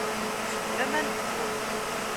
Gem laman deg Tom.